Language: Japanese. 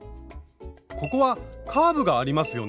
ここはカーブがありますよね？